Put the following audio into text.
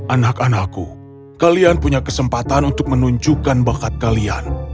anak anakku kalian punya kesempatan untuk menunjukkan bakat kalian